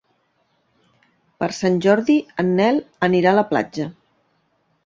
Per Sant Jordi en Nel anirà a la platja.